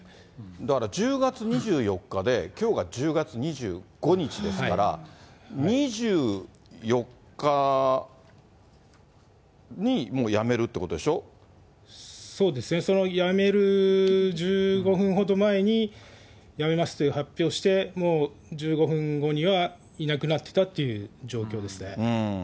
だから１０月２４日で、きょうが１０月２５日ですから、２４日に、そうですね、その辞める１５分ほど前に、辞めますという発表をして、もう１５分後にはいなくなってたっていう状況ですね。